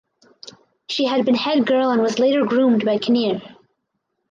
She had been head girl and was later groomed by Kinnear.